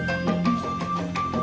kamu mau ke kantor